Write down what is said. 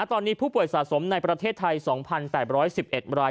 ตอนนี้ผู้ป่วยสะสมในประเทศไทย๒๘๑๑ราย